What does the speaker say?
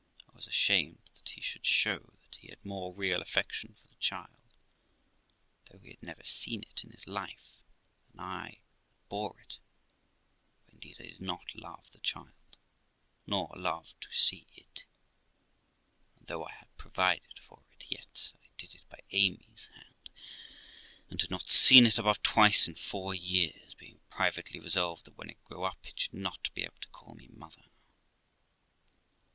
I was ashamed that he should show that he had more real affection for the child, though he had never seen it in his life, than I that bore it, for indeed I did not love the child, nor love to see it ; and though I had provided for it, yet I did it by Amy's hand, and had not seen it above twice in four years, being privately resolved that when it grew up it should not be able to call me mother.